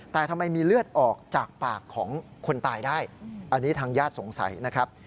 แต่ทำไมมีเลือดออกจากปากของคนตายได้อันนี้ทางญาติสงสัยนะครับ